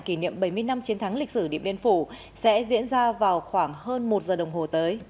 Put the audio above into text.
kỷ niệm bảy mươi năm chiến thắng lịch sử điện biên phủ sẽ diễn ra vào khoảng hơn một giờ đồng hồ tới